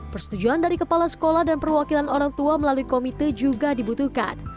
persetujuan dari kepala sekolah dan perwakilan orang tua melalui komite juga dibutuhkan